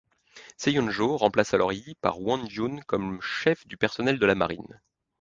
Seonjo remplace alors Yi par Won Gyun comme chef du personnel de la marine.